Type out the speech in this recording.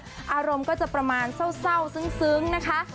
คลอดรุมก็จะประมาณเศร้าเช่าซึ้งนะคะ